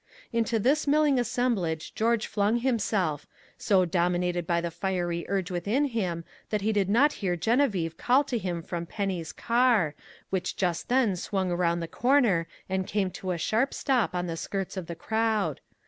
Into this milling assemblage George flung himself, so dominated by the fiery urge within him that he did not hear Geneviève call to him from Penny's car, which just then swung around the corner and came to a sharp stop on the skirts of the crowd.